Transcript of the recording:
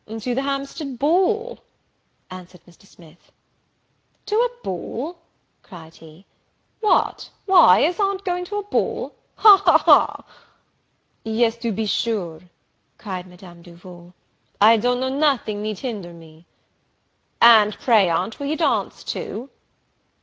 "To the Hampstead ball," answered Mr. Smith. "To a ball!" cried he. "Why, what, is aunt going to a ball? Ha, ha, ha!" "Yes, to be sure," cried Madame Duval; "I don't know nothing need hinder me." "And pray, aunt, will you dance too?"